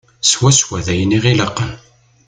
Swaswa d ayen i ɣ-ilaqen.